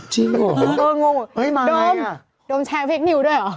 จริงเหรอเอองงเหรอโดมโดมแชร์พลิกนิวด้วยเหรอ